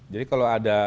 jadi kalau ada